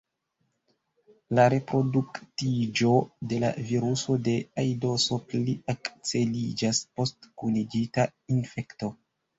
La reproduktiĝo de la viruso de aidoso pli akceliĝas post kunigita infekto.